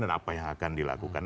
dan apa yang akan dilakukan